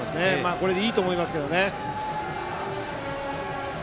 これでいいと思いますけどね。